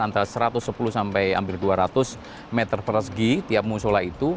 antara satu ratus sepuluh sampai hampir dua ratus meter persegi tiap musola itu